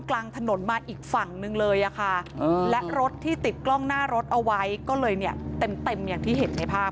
และรถที่ติดกล้องหน้ารถเอาไว้ก็เลยเต็มอย่างที่เห็นในภาพ